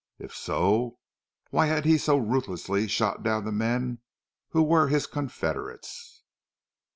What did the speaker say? If so, why had he so ruthlessly shot down the men who were his confederates?